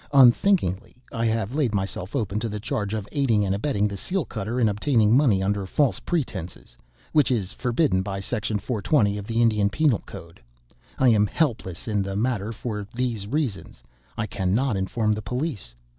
Unthinkingly, I have laid myself open to the charge of aiding and abetting the seal cutter in obtaining money under false pretenses, which is forbidden by Section 420 of the Indian Penal Code. I am helpless in the matter for these reasons, I cannot inform the police.